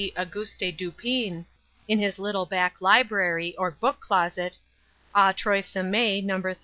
Auguste Dupin, in his little back library, or book closet, au troisième, No.